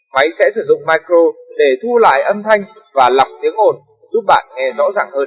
máy sẽ sử dụng micro để thu lại âm thanh và lọc tiếng ồn giúp bạn nghe rõ ràng hơn